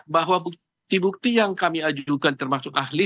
bahwa bukti bukti yang kami ajukan termasuk ahli